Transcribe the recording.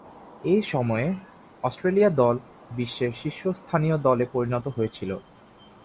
এ সময়ে অস্ট্রেলিয়া দল বিশ্বের শীর্ষস্থানীয় দলে পরিণত হয়েছিল।